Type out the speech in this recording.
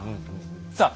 さあ